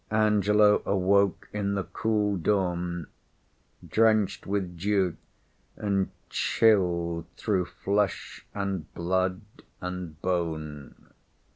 Angelo awoke in the cool dawn, drenched with dew and chilled through flesh, and blood, and bone.